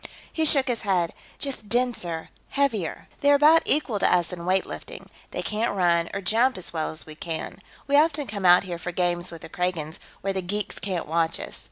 He shook his head. "Just denser, heavier. They're about equal to us in weight lifting. They can't run, or jump, as well as we can. We often come out here for games with the Kragans, where the geeks can't watch us.